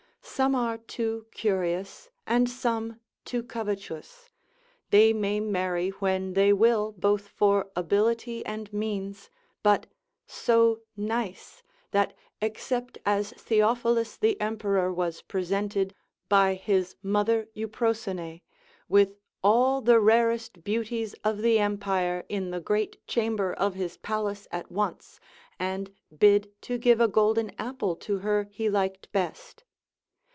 Some are too curious, and some too covetous, they may marry when they will both for ability and means, but so nice, that except as Theophilus the emperor was presented, by his mother Euprosune, with all the rarest beauties of the empire in the great chamber of his palace at once, and bid to give a golden apple to her he liked best.